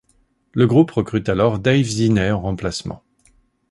Le groupe recrute alors Dave Zinay en remplacement.